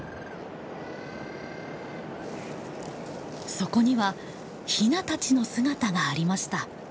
そこにはヒナたちの姿がありました。